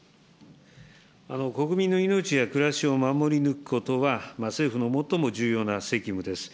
国民の命や暮らしを守り抜くことは、政府の最も重要な責務です。